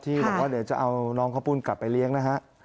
บอกว่าเดี๋ยวจะเอาน้องข้าวปุ้นกลับไปเลี้ยงนะฮะ